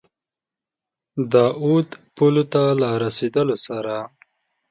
د اود پولو ته له رسېدلو سره.